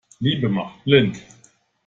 Liebe macht blind.